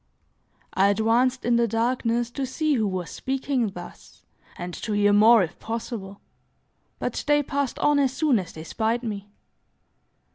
I advanced in the darkness to see who was speaking thus, and to hear more if possible; but they passed on as soon as they spied me.